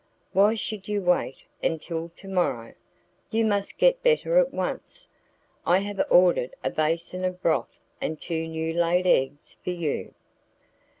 "Why should you wait until to morrow? You must get better at once. I have ordered a basin of broth and two new laid eggs for you."